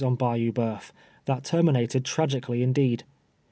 24:7 On Bayou Bojiif, tluit terminated tragically indeed.